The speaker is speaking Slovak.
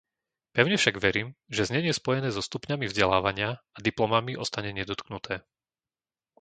Pevne však verím, že znenie spojené so stupňami vzdelávania a diplomami ostane nedotknuté.